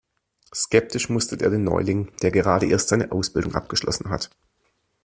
Skeptisch mustert er den Neuling, der gerade erst seine Ausbildung abgeschlossen hat.